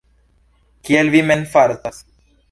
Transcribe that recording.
Kiel vi mem fartas?